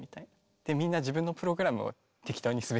でみんな自分のプログラムを適当に滑るみたいな。